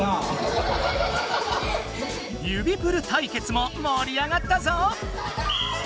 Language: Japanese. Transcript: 指プル対決ももり上がったぞ！